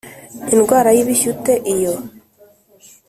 Indwara Y Ibishyute Iyo